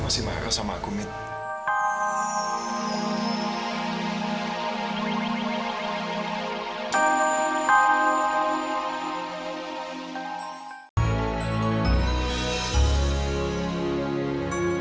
masih marah sama aku mit